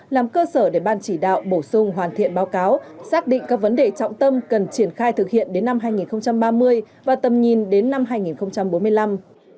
làm cơ sở để ban chỉ đạo bổ sung hoàn thiện báo cáo xác định các vấn đề trọng tâm cần triển khai thực hiện đến năm hai nghìn ba mươi và tầm nhìn đến năm hai nghìn bốn mươi năm